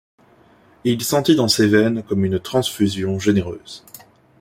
Et il sentit dans ses veines comme une transfusion généreuse.